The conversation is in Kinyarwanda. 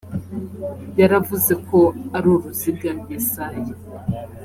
yaravuze ko ari uruziga yesaya